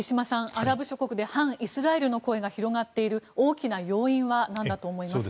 アラブ諸国で反イスラエルの声が広がっている大きな要因は何だと思いますか？